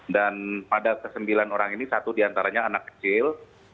dan pada sembilan orang ini satu diantaranya anak kecil